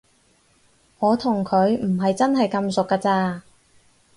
我同佢唔係真係咁熟㗎咋